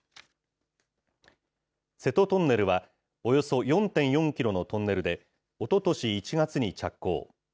瀬戸トンネルは、およそ４．４キロのトンネルで、おととし１月に着工。